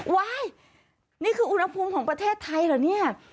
ว้ายนี่คืออุณหภูมิของประเทศไทยเหรอ